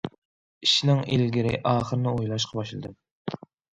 ئىشنىڭ ئىلگىرى- ئاخىرىنى ئويلاشقا باشلىدىم.